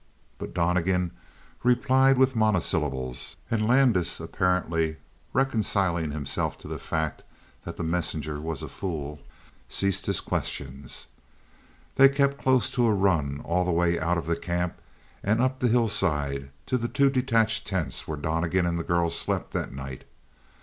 But Donnegan replied with monosyllables, and Landis, apparently reconciling himself to the fact that the messenger was a fool, ceased his questions. They kept close to a run all the way out of the camp and up the hillside to the two detached tents where Donnegan and the girl slept that night.